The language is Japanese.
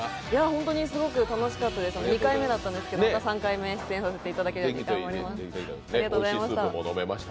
本当にすごく楽しかったんです、２回目だったんですけどまた３回目出演させていただけるように頑張ります。